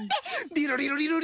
リロリロリロリ！